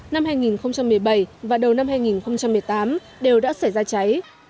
năm hai nghìn một mươi bảy và đầu năm hai nghìn một mươi tám đều đã xảy ra cháy